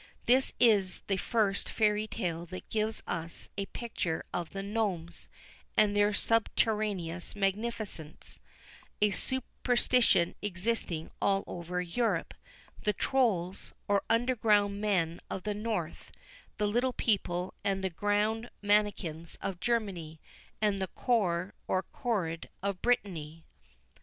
This is the first Fairy Tale that gives us a picture of the Gnomes, and their subterraneous magnificence a superstition existing all over Europe; the Trolls, or underground men of the North; the little people and ground mannikins of Germany; and the Korr or Korred of Brittany.